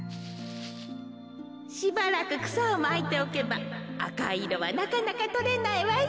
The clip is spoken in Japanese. しばらくくさをまいておけばあかいいろはなかなかとれないわよ。